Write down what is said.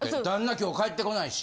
今日帰ってこないし。